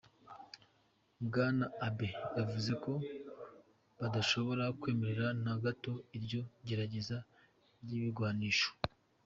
Bwana Abe yavuze ko badashobora kwemera na gato iryo gerageza ry'ibigwanisho.